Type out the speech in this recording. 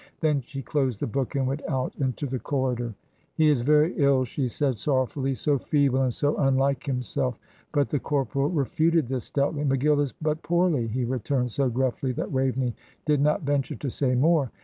Then she closed the book and went out into the corridor. "He is very ill," she said, sorrowfully; "so feeble and so unlike himself." But the corporal refuted this stoutly. "McGill is but poorly," he returned, so gruffly that Waveney did not venture to say more.